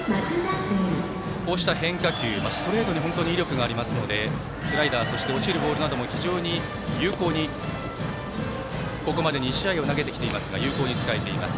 こうした変化球、ストレートに本当に威力がありますのでスライダーそして落ちるボールなども非常に有効にここまで２試合を投げてきていますが有効に使えています。